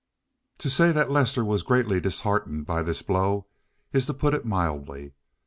To say that Lester was greatly disheartened by this blow is to put it mildly.